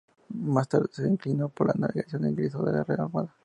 Más tarde se inclinó por la navegación, e ingresó a la Real Armada.